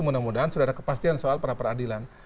mudah mudahan sudah ada kepastian soal pra peradilan